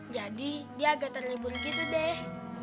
jadi dia agak terlibur gitu deh